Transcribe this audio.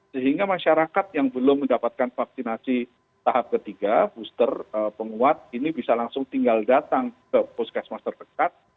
sehingga masyarakat yang belum mendapatkan vaksinasi tahap ketiga booster penguat ini bisa langsung tinggal datang ke puskesmas terdekat